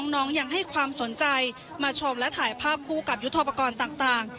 น้องยังให้ความสนใจมาชมและถ่ายภาพคู่กับยุทธโปรกรณ์ต่าง